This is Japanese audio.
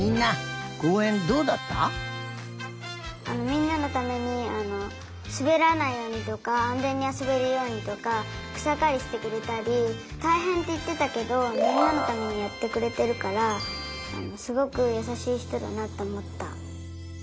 みんなのためにすべらないようにとかあんぜんにあそべるようにとかくさかりしてくれたりたいへんっていってたけどみんなのためにやってくれてるからすごくやさしいひとだなとおもった。